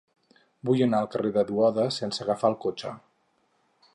Vull anar al carrer de Duoda sense agafar el cotxe.